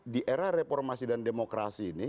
di era reformasi dan demokrasi ini